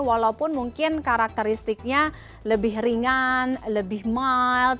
walaupun mungkin karakteristiknya lebih ringan lebih mild